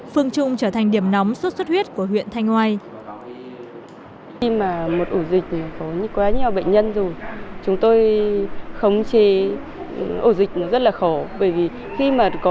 phương trung trở thành điểm nóng sốt xuất huyết của huyện thanh hoa